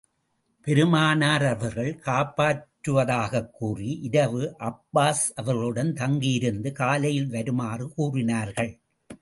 பெருமானார் அவர்கள் காப்பாற்றுவதாகக் கூறி, இரவு அப்பாஸ் அவர்களுடன் தங்கியிருந்து, காலையில் வருமாறு கூறினார்கள்.